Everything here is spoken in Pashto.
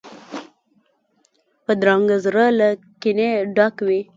بدرنګه زړه له کینې ډک وي